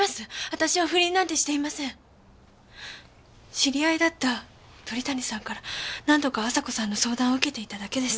知り合いだった鳥谷さんから何度か亜沙子さんの相談を受けていただけです。